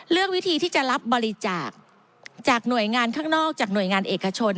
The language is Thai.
วิธีที่จะรับบริจาคจากหน่วยงานข้างนอกจากหน่วยงานเอกชน